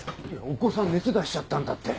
お子さん熱出しちゃったんだって。